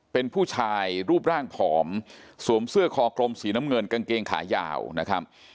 เป็นผู้ชายรูปร่างผอมสวมเสื้อคอกลมสีน้ำเงินกางเกงขายาวนะครับ